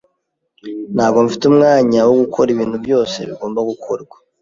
Ntabwo mfite umwanya wo gukora ibintu byose bigomba gukorwa.